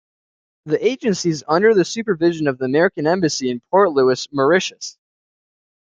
The agency is under the supervision of the American Embassy in Port Louis, Mauritius.